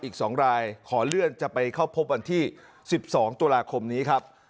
อีก๒รายขอเลื่อนจะไปเข้าพบวันที่๑๒ตุลาคมนี้ครับ